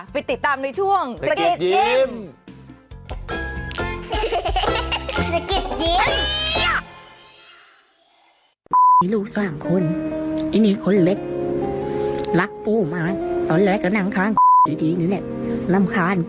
ไปติดตามในช่วงสกิดยิ้ม